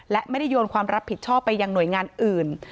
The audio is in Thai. และไม่ได้โยนความรับผิดชอบไปยังหน่วยงานอื่น